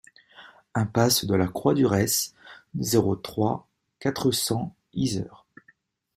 Impasse de la Croix du Retz, zéro trois, quatre cents Yzeure